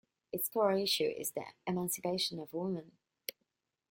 Its core issue is the emancipation of women.